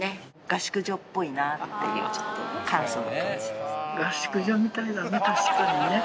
合宿所っぽいなっていうちょっと簡素な感じだね